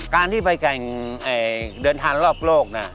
การที่ไปแข่งเดินทางรอบโลกนะ